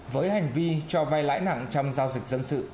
với hành vi cho vai lãi nặng trong giao dịch dân sự